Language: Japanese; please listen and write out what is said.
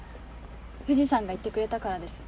藤さんが言ってくれたからです。